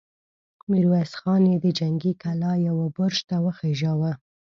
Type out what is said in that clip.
ميرويس خان يې د جنګي کلا يوه برج ته وخېژاوه!